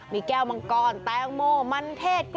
มีแก้วมังกรแตงโมมันเทศ